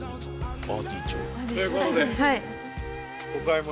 アーティチョーク。ということでお買い物。